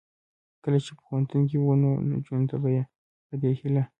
کله چې پوهنتون کې و نو نجونو ته به یې په دې هیله